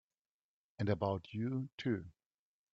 And about you too!